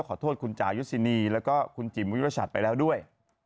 คุณจ่ายุศินีแล้วก็คุณจิมวิวชัดไปแล้วด้วย